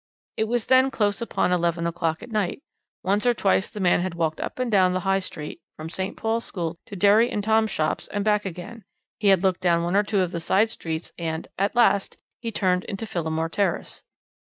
It was then close upon eleven o'clock at night; once or twice the man had walked up and down the High Street, from St. Paul's School to Derry and Toms' shops and back again, he had looked down one or two of the side streets and at last he turned into Phillimore Terrace.